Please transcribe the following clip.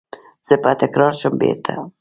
زه به تکرار شم بیرته